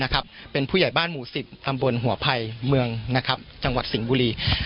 นะครับเป็นผู้ใหญ่บ้านหมู๑๐ตำบลหัวไพรเมืองนะครับจังหวัดสิงห์บุรี